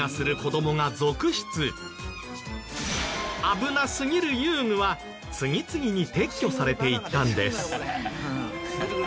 危なすぎる遊具は次々に撤去されていったんです。